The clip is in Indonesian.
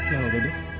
ya udah deh